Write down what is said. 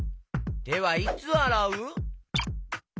てはいつあらう？